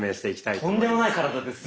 とんでもない体ですね。